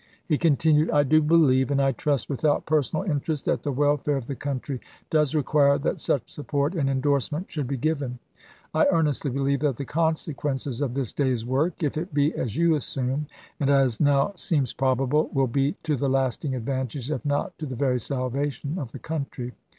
He continued : "I do believe, and I trust without personal in terest, that the welfare of the country does require that such support and indorsement should be given. "I earnestly believe that the consequences of this day's work, if it be as you assume, and as now seems probable, will be to the lasting advantage, if not to the very salvation, of the country.